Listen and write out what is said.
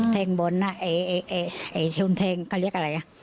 แทงบอลน่ะไอ้ชนแทงเขาเรียกอะไรอ่ะ